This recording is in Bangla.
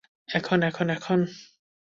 এখন, এখন, এখন।